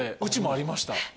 うちもありました